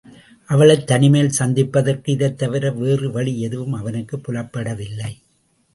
அவளைத் தனிமையில் சந்திப்பதற்கு இதைத் தவிர வேறு வழி எதுவும் அவனுக்குப் புலப்படவில்லை.